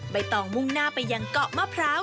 ใบตองมุ่งหน้าไปยังเกาะมะพร้าว